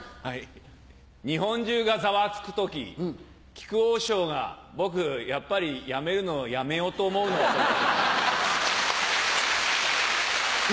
日本中がざわつく時木久扇師匠が「僕やっぱり辞めるのやめようと思うの」と言った時。